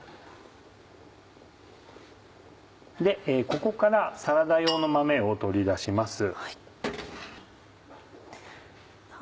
ここからサラダ用の豆を取り出します。